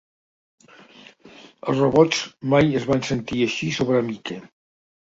Els robots mai es van sentir així sobre Mike.